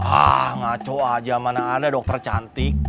ah ngaco aja mana ada dokter cantik